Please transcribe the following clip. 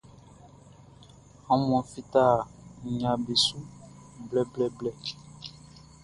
Aunmuanʼn fita nɲaʼm be su blɛblɛblɛ.